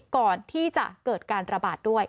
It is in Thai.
ก่อนที่จะเกิดการระบาดด้วย